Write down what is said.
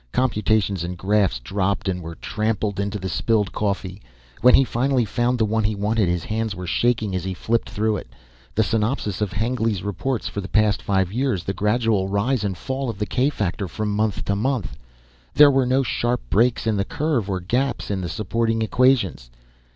Computations and graphs dropped and were trampled into the spilled coffee. When he finally found the one he wanted his hands were shaking as he flipped through it. The synopsis of Hengly's reports for the past five years. The gradual rise and fall of the k factor from month to month. There were no sharp breaks in the curve or gaps in the supporting equations.